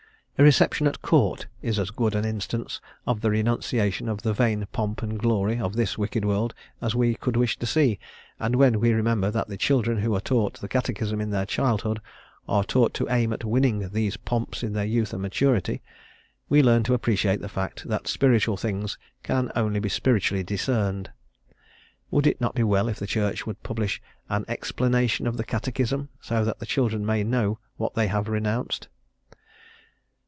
A reception at court is as good an instance of the renunciation of the vain pomp and glory of this wicked world as we could wish to see, and when we remember that the children who are taught the Catechism in their childhood are taught to aim at winning these pomps in their youth and maturity, we learn to appreciate the fact that spiritual things can only be spiritually discerned. Would it not be well if the Church would publish an "Explanation of the Catechism," so that the children may know what they have renounced?